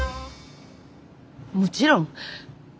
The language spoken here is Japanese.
もちろん。